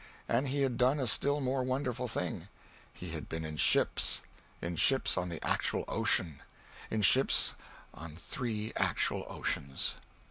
And he had done a still more wonderful thing. He had been in ships in ships on the actual ocean; in ships on three actual oceans.